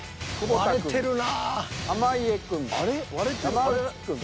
割れてるな。